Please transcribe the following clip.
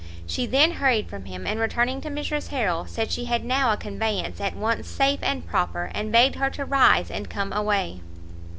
She then hurried from him, and returning to Mrs Harrel, said she had now a conveyance at once safe and proper, and begged her to rise and come away.